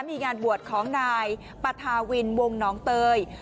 มีงานบัวของนายปรรถาวินวงต๋อย